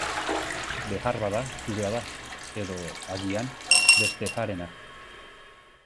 Beharbada zurea da, edo agian, beste harena.